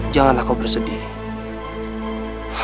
janganlah kau bersedih